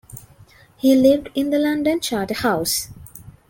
He lived in the London Charterhouse.